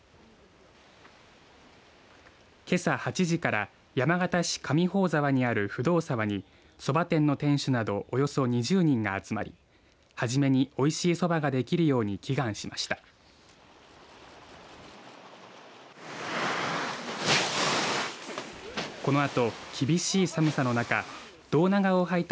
けさ８時から山形市上宝沢にある不動沢にそば店の店主などおよそ２０人が集まり初めにおいしいそばができるように祈願しました。